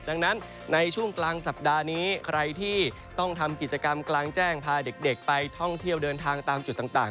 ดังนั้นในช่วงกลางสัปดาห์นี้ใครที่ต้องทำกิจกรรมกลางแจ้งพาเด็กไปท่องเที่ยวเดินทางตามจุดต่าง